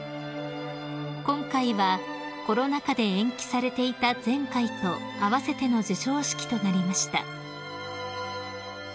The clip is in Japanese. ［今回はコロナ禍で延期されていた前回と併せての授賞式となりました］